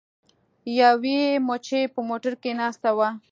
یوې مچۍ په موټر کې ناسته وه.